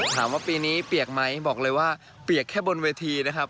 ถามว่าปีนี้เปียกไหมบอกเลยว่าเปียกแค่บนเวทีนะครับ